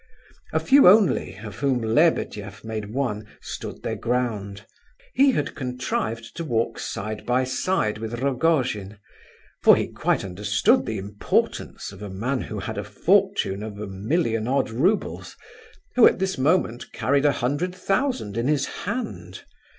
A few only, of whom Lebedeff made one, stood their ground; he had contrived to walk side by side with Rogojin, for he quite understood the importance of a man who had a fortune of a million odd roubles, and who at this moment carried a hundred thousand in his hand.